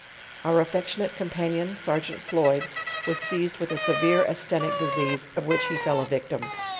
Our affectiorate companion serjeant Floyd was seized V7ith a severe astenic disease, of which ho fell a victim.